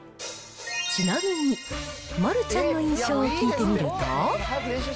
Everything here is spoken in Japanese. ちなみに、丸ちゃんの印象を聞いてみると。